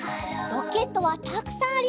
ロケットはたくさんあります。